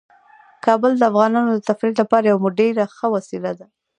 کابل د افغانانو د تفریح لپاره یوه ډیره ښه وسیله ده.